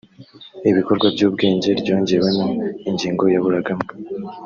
ibikorwa by’ubwenge ryongewemo ingingo yaburagamo